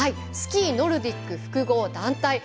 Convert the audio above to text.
スキーノルディック複合団体